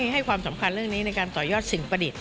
ให้ความสำคัญเรื่องนี้ในการต่อยอดสิ่งประดิษฐ